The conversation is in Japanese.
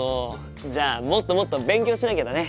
じゃあもっともっと勉強しなきゃだね。